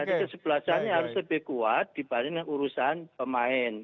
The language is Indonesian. jadi kesebelasannya harus lebih kuat dibandingkan urusan pemain